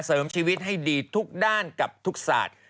เสริมชีวิตให้ดีทุกด้านกับทุกศาสตร์